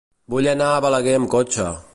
Vull anar a Balaguer amb cotxe.